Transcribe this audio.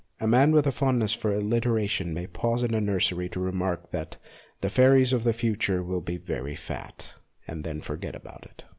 A man with a fondness for alliteration may pause in a nursery to remark that the fairies of the future will be very fat, and then forget all about it.